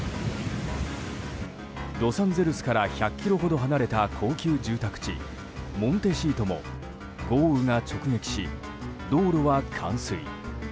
ロサンゼルスから１００ｋｍほど離れた高級住宅地モンテシートも豪雨が直撃し道路は冠水。